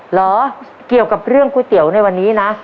เหรอเกี่ยวกับเรื่องก๋วยเตี๋ยวในวันนี้นะ